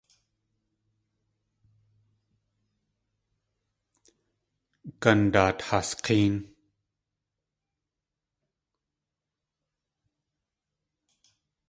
Gandaat has k̲éen.